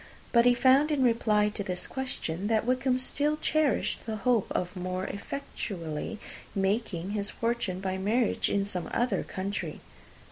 But he found, in reply to this question, that Wickham still cherished the hope of more effectually making his fortune by marriage, in some other country.